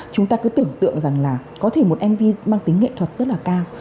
chúng ta cứ tưởng tượng rằng là có thể một mv mang tính nghệ thuật rất là cao